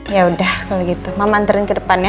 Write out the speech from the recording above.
ya udah kalo gitu mama anterin ke depan ya